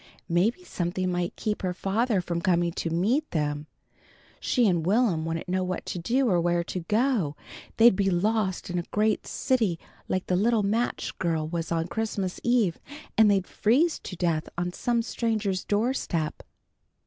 Maybe something might keep her father from coming to meet them. She and Will'm wouldn't know what to do or where to go. They'd be lost in a great city like the little Match Girl was on Christmas eve, and they'd freeze to death on some stranger's doorstep.